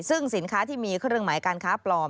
ซึ่งสินค้าที่มีเครื่องหมายการค้าปลอม